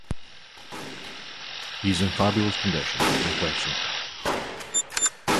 He's in fabulous condition, no question.